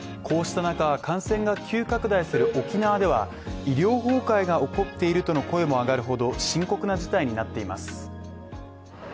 こうした中、感染が急拡大する沖縄では医療崩壊が起こっているとの声も上がるほど深刻な事態になっています。